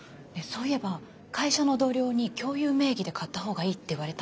そういえば会社の同僚に共有名義で買った方がいいって言われたんですけど。